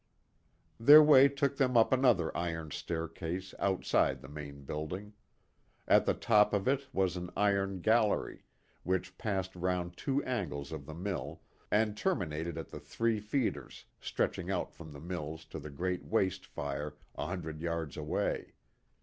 Their way took them up another iron staircase outside the main building. At the top of it was an iron gallery, which passed round two angles of the mill, and terminated at the three feeders, stretching out from the mills to the great waste fire a hundred yards away.